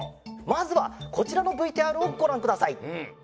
まずはこちらをＶＴＲをごらんください。